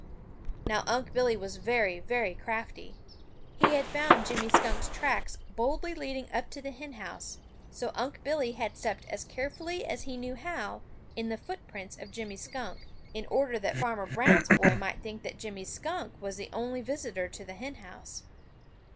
Now Unc' Billy was very, very crafty. He had found Jimmy Skunk's tracks boldly leading up to the hen house, so Unc' Billy had stepped as carefully as he knew how in the footprints of Jimmy Skunk, in order that Farmer Brown's boy might think that Jimmy Skunk was the only visitor to the hen house.